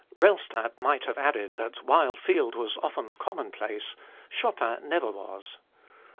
Rellstab might have added that while Field was often commonplace, Chopin never was.